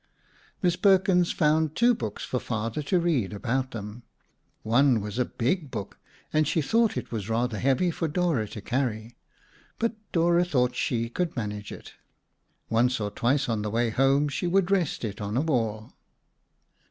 Miss Perkins found two books for Father to read about them. One was a big book and she thought it was rather heavy for Dora to carry, but Dora thought she could manage it. Once or twice on the way home, she would rest it on a wall.